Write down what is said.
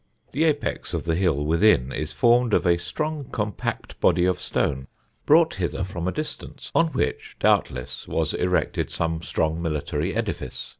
The apex of the hill within is formed of a strong compact body of stone, brought hither from a distance, on which doubtless was erected some strong military edifice.